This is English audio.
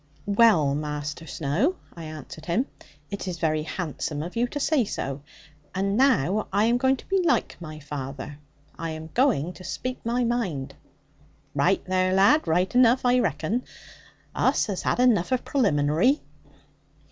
'Well, Master Snowe,' I answered him, 'it is very handsome of you to say so. And now I am going to be like my father, I am going to speak my mind.' 'Raight there, lad; raight enough, I reckon. Us has had enough of pralimbinary.'